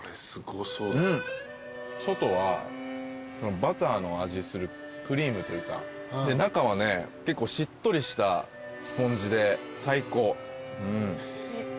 外はバターの味するクリームというかで中はね結構しっとりしたスポンジで最高。